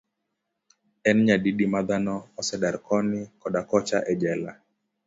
En nyadidi ma dhano osedar koni koda kocha e jela.